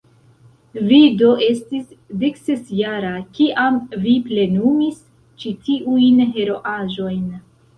Vi do estis deksesjara, kiam vi plenumis ĉi tiujn heroaĵojn?